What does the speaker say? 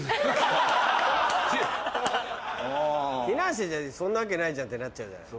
フィナンシェじゃ「そんなわけないじゃん」ってなっちゃうじゃない。